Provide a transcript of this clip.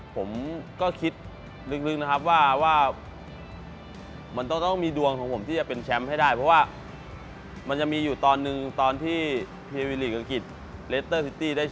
ผมก็คิดลึกนะครับว่าว่ามันต้องมีดวงของผมที่จะเป็นแชมป์ให้ได้เพราะว่ามันจะมีอยู่ตอนนึงตอนที่พลีเวลลีกเกินกิจ